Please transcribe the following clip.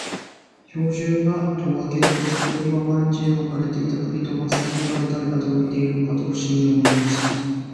兵十が戸を開けると、そこには毎日のように置かれていた栗と松茸があり、誰が届けているのかと不思議に思いました。